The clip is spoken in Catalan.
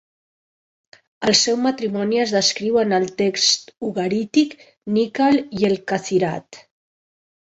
El seu matrimoni es descriu en el text ugarític "Nikkal i el Kathirat".